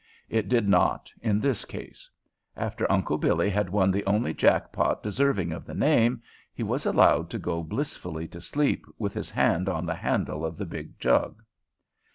It did not in this case. After Uncle Billy had won the only jack pot deserving of the name, he was allowed to go blissfully to sleep with his hand on the handle of the big jug.